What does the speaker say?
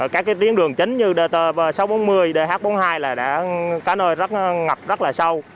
các tiến đường chính như dt sáu trăm bốn mươi dh bốn mươi hai là đã có nơi ngập rất là sâu